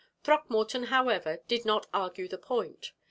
Throckmorton, however, did not argue the point.